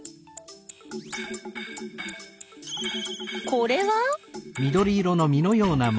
これは？